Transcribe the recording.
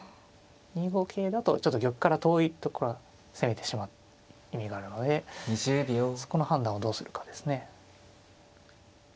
２五桂だとちょっと玉から遠いとこから攻めてしまう意味があるのでそこの判断をどうするかですね。